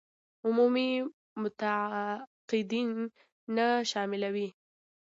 عمومي متقاعدين نه شاملوي.